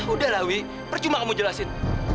udah lah wih percuma kamu jelasin